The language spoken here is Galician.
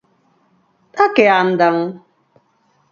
¿A que andan?